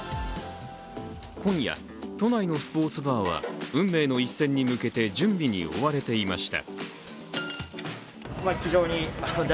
今夜、都内のスポーツバーは運命の一戦に向けて準備に追われていました。